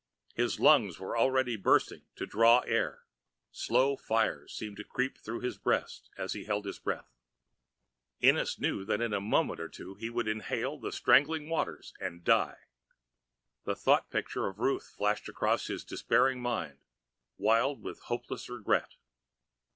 His lungs already were bursting to draw in air, slow fires seeming to creep through his breast as he held his breath. Ennis knew that in a moment or two more he would inhale the strangling waters and die. The thought picture of Ruth flashed across his despairing mind, wild with hopeless regret.